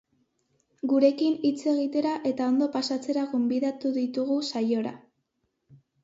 Gurekin hitz egitera eta ondo pasatzera gonbidatu ditugu saiora.